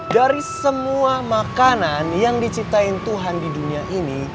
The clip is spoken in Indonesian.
dari semua makanan yang dicintain tuhan di dunia ini